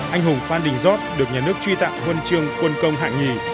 anh hùng phan đình giót được nhà nước truy tặng huân chương quân công hạng nhì